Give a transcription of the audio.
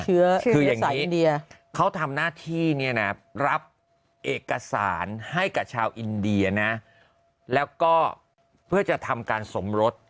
คือเขาทำหน้าที่เนี่ยนะรับเอกสารให้กับชาวอินเดียนะแล้วก็เพื่อจะทำการสมรส